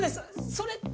それ。